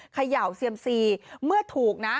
เขย่าเซียมซีเมื่อถูกนะ